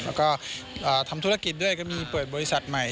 แล้วก็ทำธุรกิจด้วยก็มีเปิดบริษัทใหม่